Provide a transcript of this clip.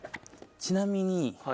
ちなみに。